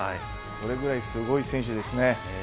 それぐらいすごい選手ですね。